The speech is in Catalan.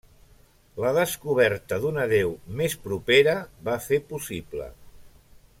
La descoberta d'una deu més propera va fer possible.